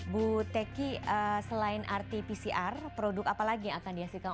bu teki selain rt pcr produk apa lagi yang akan dihasilkan